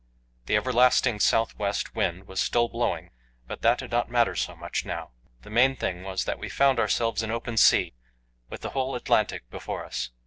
The everlasting south west wind was still blowing, but that did not matter so much now. The main thing was that we found ourselves in open sea with the whole Atlantic before us.